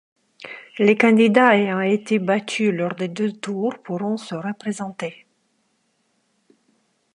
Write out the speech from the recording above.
Les candidats ayant été battus lors des deux tours pourront se représenter.